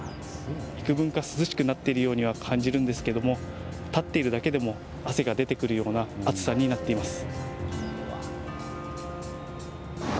いくぶんか涼しくなっているようには感じるんですが、立っているだけでも汗が出てくるような暑さになっています。